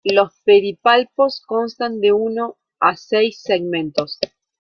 Los pedipalpos constan de uno a seis segmentos.